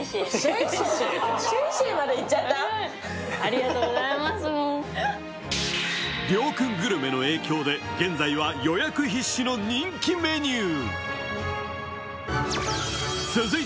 りょうくんグルメの影響で現在は予約必至の人気メニュー。